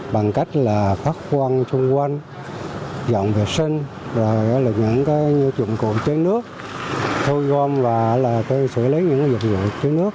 bằng cách phát quan chung quanh dọn vệ sinh dụng cụ chế nước thu gom và xử lý những dịch vụ chế nước